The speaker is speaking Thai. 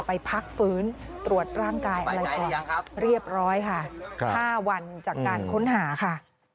ไปพักฟื้นตรวจร่างกายอะไรออกเรียบร้อยค่ะ๕วันจากการค้นหาค่ะ